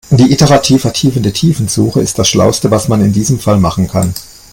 Die iterativ vertiefende Tiefensuche ist das schlauste, was man in diesem Fall machen kann.